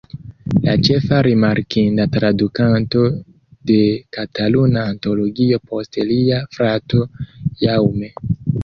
La ĉefa rimarkinda tradukanto de Kataluna Antologio post lia frato Jaume.